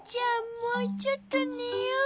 もうちょっとねよう。